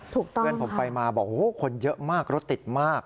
เพื่อนผมไปมาบอกคนเยอะมากรถติดมาก